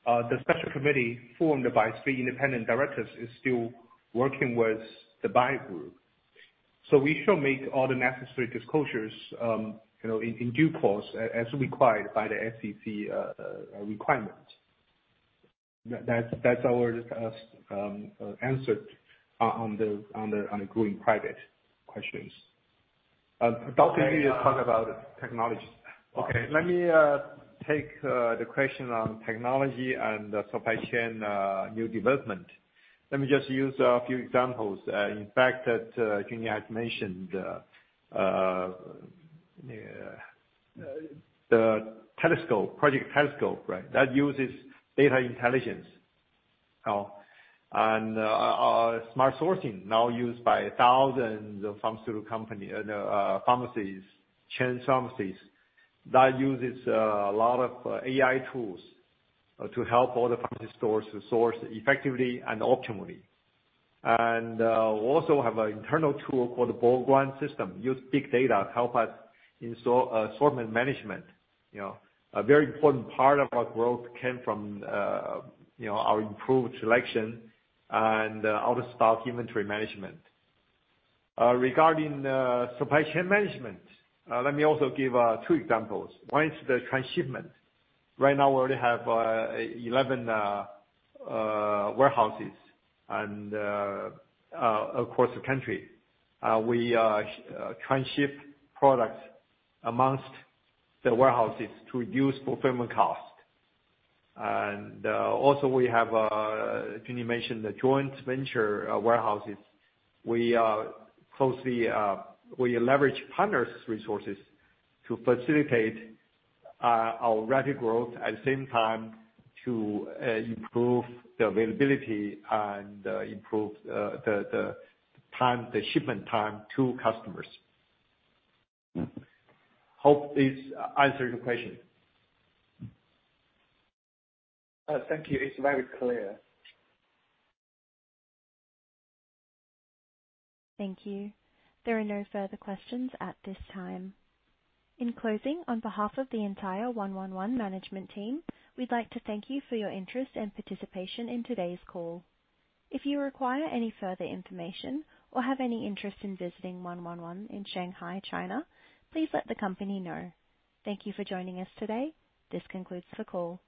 The special committee, formed by three independent directors, is still working with the buyer group. We shall make all the necessary disclosures, you know, in due course, as required by the SEC requirements. That's our answer on the going private questions. Dr. Yu is talking about technology. Okay, let me take the question on technology and supply chain, new development. Let me just use a few examples. In fact, Junling has mentioned the Telescope, project Telescope, right? That uses data intelligence and our Smart Sourcing, now used by thousands of pharmaceutical company and pharmacies, chain pharmacies, that uses a lot of AI tools to help all the pharmacy stores to source effectively and optimally. We also have an internal tool called the Ball Ground System, use big data to help us in assortment management. You know, a very important part of our growth came from, you know, our improved selection and out-of-stock inventory management. Regarding supply chain management, let me also give two examples. One is the transshipment. Right now, we already have 11 warehouses across the country. We transship products amongst the warehouses to reduce fulfillment cost. Also we have Junling mentioned the joint venture warehouses. We closely leverage partners' resources to facilitate our rapid growth, at the same time, to improve the availability and improve the time, the shipment time to customers. Hope this answers your question. Thank you. It's very clear. Thank you. There are no further questions at this time. In closing, on behalf of the entire 111, management team, we'd like to thank you for your interest and participation in today's call. If you require any further information or have any interest in visiting 111, in Shanghai, China, please let the company know. Thank you for joining us today. This concludes the call.